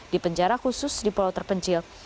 di penjara khusus di pulau terpencil